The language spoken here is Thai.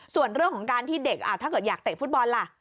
ส่วนเรื่องของการที่เด็กถ้าเกิดอยากเตะฟุตบอลล่ะ